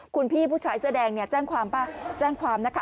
คุณพี่ผู้ชายเสื้อแดงเนี่ยแจ้งความป่ะแจ้งความแจ้งความนะคะ